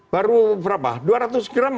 baru berapa dua ratus gram